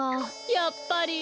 やっぱり。